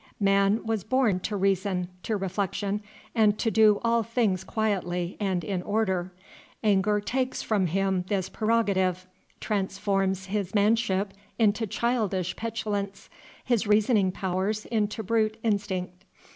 Man was born to reason, to reflection, and to do all things quietly and in order. Anger takes from him this prerogative, transforms his manship into childish petulance, his reasoning powers into brute instinct.